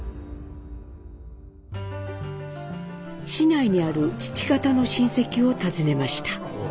市内にある父方の親戚を訪ねました。